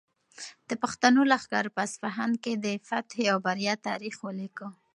د پښتنو لښکر په اصفهان کې د فتحې او بریا تاریخ ولیکه.